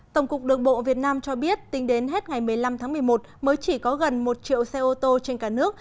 tổng cục đường bộ việt nam cho biết tính đến hết ngày một mươi năm tháng một mươi một mới chỉ có gần một triệu xe ô tô trên cả nước